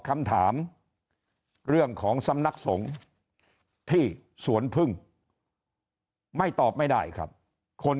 คำถามเรื่องของสำนักสงฆ์ที่สวนพึ่งไม่ตอบไม่ได้ครับคน